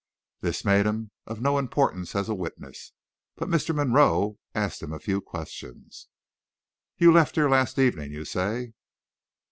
This made him of no importance as a witness, but Mr. Monroe asked him a few questions. "You left here last evening, you say?"